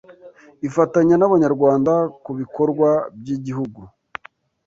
Ifatanye nabanyarwanda kubikorwa byigihugu